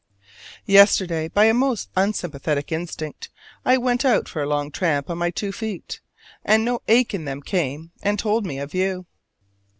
Yesterday, by a most unsympathetic instinct, I went out for a long tramp on my two feet; and no ache in them came and told me of you!